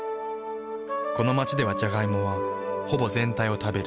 この街ではジャガイモはほぼ全体を食べる。